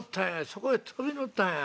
そこへ飛び乗ったんや。